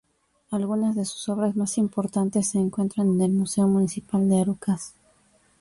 Algunas de sus obras más importantes se encuentran en el Museo Municipal de Arucas.